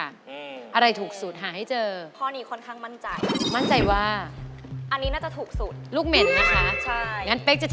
อะไรถูกสุดหาให้เจอ